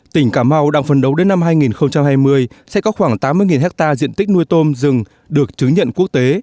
tỉnh cà mau đang phấn đấu đến năm hai nghìn hai mươi sẽ có khoảng tám mươi hectare diện tích nuôi tôm rừng được chứng nhận quốc tế